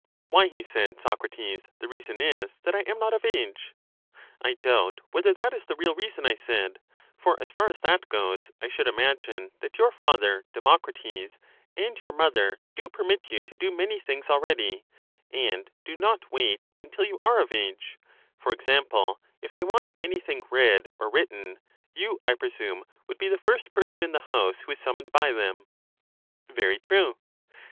^ Why, he said, Socrates, the reason is that I am not of age. I doubt whether that is the real reason, I said ; for as far as that goes, I should imagine that your father Democrates, and your mother, do permit you to do many things already, and do not wait until you are of age: for example, if they want anything read or written, you, I presume, would be the first person in the house who is summoned by them. Very true.